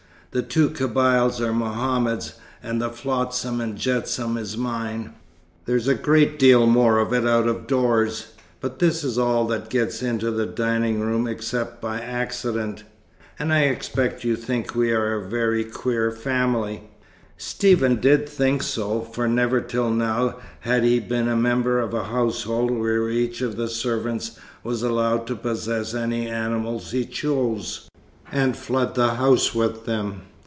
The two Kabyles are Mohammed's, and the flotsam and jetsam is mine. There's a great deal more of it out of doors, but this is all that gets into the dining room except by accident. And I expect you think we are a very queer family." Stephen did think so, for never till now had he been a member of a household where each of the servants was allowed to possess any animals he chose, and flood the house with them.